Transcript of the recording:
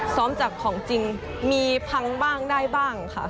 ซ้อมจากของจริงมีพังบ้างได้บ้างค่ะ